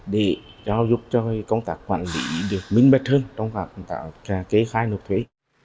để giúp cho công tác quản lý được minh mệnh hơn trong các công tác kế khai nộp thuế